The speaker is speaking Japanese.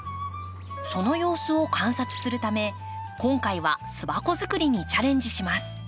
その様子を観察するため今回は巣箱作りにチャレンジします。